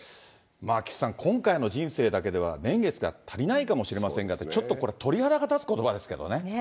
菊池さん、今回の人生だけでは年月では足りませんかもしれませんが、ちょっとこれは鳥肌が立つことばですけどね。